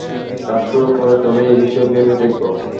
কাজ শুরু করে তবে এ-বিষয়ে ভেবে দেখব।